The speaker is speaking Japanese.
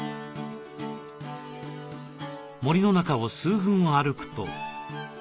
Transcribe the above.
森の中を数分歩くと。